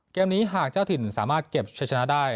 เกมนี้หากเจ้าถิ่นสามารถเก็บใช้ชนะได้